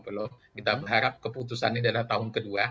belum kita berharap keputusan ini adalah tahun ke dua